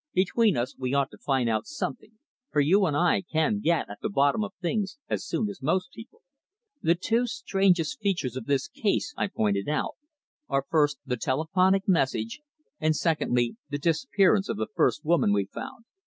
"Between us we ought to find out something, for you and I can get at the bottom of things as soon as most people." "The two strangest features of this case," I pointed out, "are first the telephonic message, and secondly, the disappearance of the first woman we found."